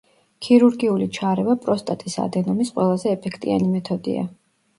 ქირურგიული ჩარევა პროსტატის ადენომის ყველაზე ეფექტიანი მეთოდია.